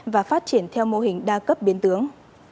và phát triển theo mô hình đa cấp biến tướng